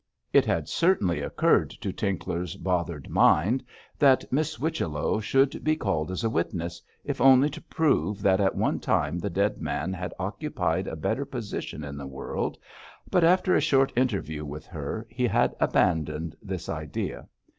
It had certainly occurred to Tinkler's bothered mind that Miss Whichello should be called as a witness, if only to prove that at one time the dead man had occupied a better position in the world, but after a short interview with her he had abandoned this idea.